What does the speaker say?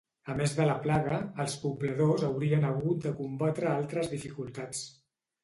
A més de la plaga, els pobladors haurien hagut de combatre altres dificultats.